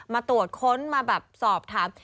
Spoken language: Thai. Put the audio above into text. มาตรวจค้นมาแบบสอบถาม